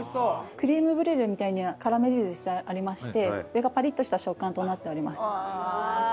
クリームブリュレみたいにカラメリゼしてありまして上がパリッとした食感となっております。